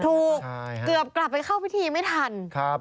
ถูกเกือบกลับไปเข้าพิธีไม่ทันครับ